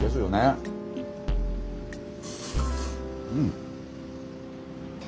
うん。